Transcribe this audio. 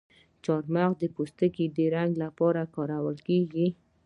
د چارمغز پوستکی د رنګ لپاره کاریږي؟